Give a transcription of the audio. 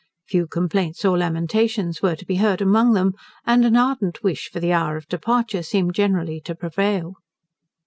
Few complaints or lamentations were to be heard among them, and an ardent wish for the hour of departure seemed generally to prevail.